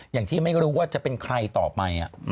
อย่างที่ไม่รู้ว่าจะเป็นใครต่อไป